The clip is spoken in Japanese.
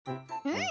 うん！